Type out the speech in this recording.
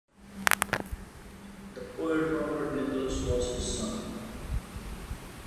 The poet Robert Nichols was his son.